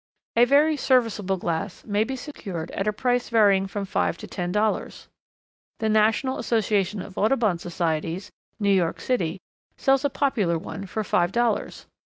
A very serviceable glass may be secured at a price varying from five to ten dollars. The National Association of Audubon Societies, New York City, sells a popular one for five dollars.